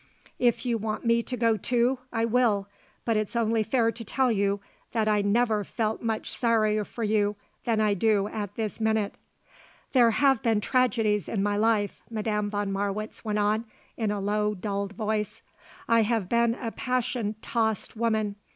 If you want me to go, too, I will, but it's only fair to tell you that I never felt much sorrier for you than I do at this minute." "There have been tragedies in my life," Madame von Marwitz went on in the low, dulled voice. "I have been a passion tossed woman.